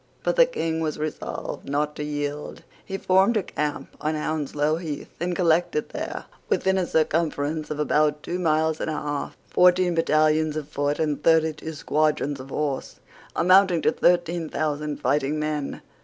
But the King was resolved not to yield. He formed a camp on Hounslow Heath, and collected there, within a circumference of about two miles and a half, fourteen battalions of foot and thirty two squadrons of horse, amounting to thirteen thousand fighting men.